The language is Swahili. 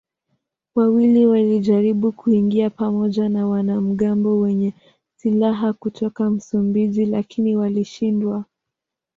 Wawili walijaribu kuingia pamoja na wanamgambo wenye silaha kutoka Msumbiji lakini walishindwa.